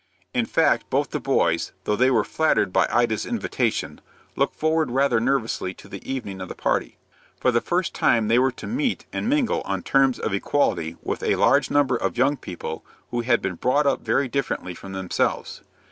In fact both the boys, though they were flattered by Ida's invitation, looked forward rather nervously to the evening of the party. For the first time they were to meet and mingle on terms of equality with a large number of young people who had been brought up very differently from themselves.